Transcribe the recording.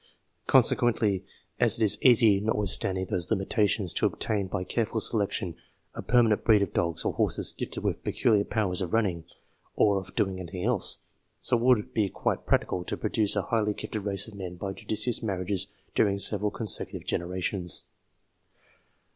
Consequently, as it is easy, notwithstanding those limitations, to obtain by careful selection a permanent breed of dogs or horses gifted with peculiar powers of running, or of doing anything else, so it would be quite practicable to produce a highly gifted race of men by judicious marriages during several con secutive generations.